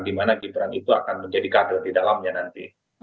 di mana gibran itu akan menjadi kader di dalamnya nanti